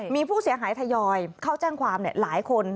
มีผู้เสียหายทยอยเข้าแจ้งความหลายคน